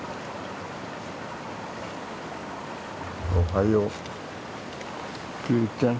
おはようキュウちゃん。